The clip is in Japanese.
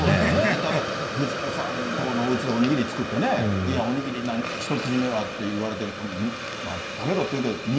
だから、杉本さんの所でお握り作ってね、いや、お握り一口目はと言われて、食べろって言うけど。